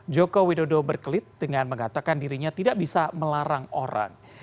joko widodo berkelit dengan mengatakan dirinya tidak bisa melarang orang